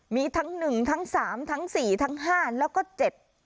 มีทั้งหนึ่งทั้งสามทั้งสี่ทั้งห้าแล้วก็เจ็ด